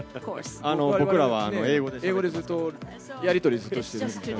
僕らは英語でずっと、やり取りずっとしてますから。